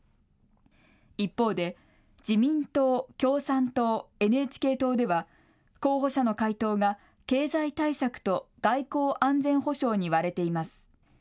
一方で、自民党、共産党、ＮＨＫ党では、候補者の回答が経済対策と外交・安全保障に割れています。